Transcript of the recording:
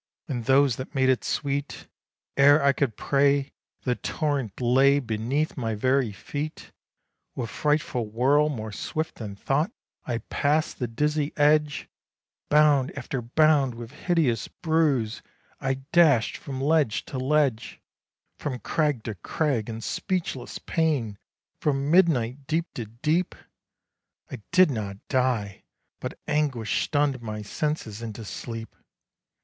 and those that made it sweet: Ere I could pray, the torrent lay beneath my very feet. With frightful whirl, more swift than thought, I passed the dizzy edge, Bound after bound, with hideous bruise, I dashed from ledge to ledge, From crag to crag, in speechless pain, from midnight deep to deep; I did not die, but anguish stunn'd my senses into sleep.